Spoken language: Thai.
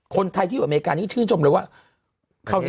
คนไทยที่อยู่อเมริกานี่ชื่นชมเลยว่า